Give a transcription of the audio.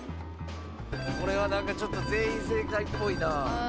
これはなんかちょっと全員正解っぽいな。